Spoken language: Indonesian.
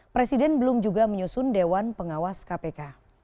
presiden belum juga menyusun dewan pengawas kpk